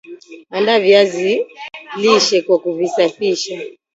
Andaa viazi lishe kwa kuvisafisha